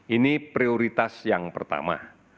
ini prioritas yang pertama